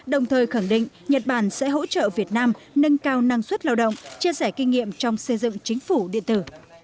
đồng thời khẳng định nhật bản sẽ hỗ trợ việt nam nâng cao năng suất lao động chia sẻ kinh nghiệm trong xây dựng chính phủ điện tử